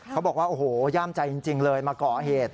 เขาบอกว่าโอ้โหย่ามใจจริงเลยมาก่อเหตุ